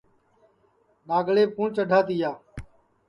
ڈؔاگڑیپ کُوٹؔ چڈھا تیا